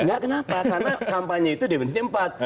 enggak kenapa karena kampanye itu definisinya empat